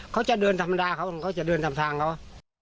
เขาจะเดินธรรมดาเขาเขาจะเดินทำทางเขา